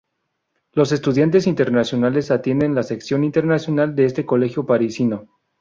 Los estudiantes internacionales atienden la sección internacional de este colegio parisino.